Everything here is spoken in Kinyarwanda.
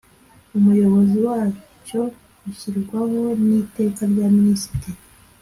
Umuyobozi wacyo ushyirwaho n Iteka rya Minisitiri